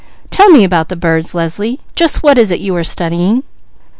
Tell me about the birds, Leslie. Just what is it you are studying?"